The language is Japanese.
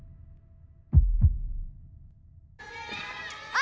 あ！